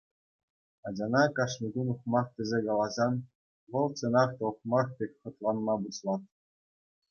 Ачана кашни кун ухмах тесе каласан, вӑл чӑнах та ухмах пек хӑтланма пуҫлать.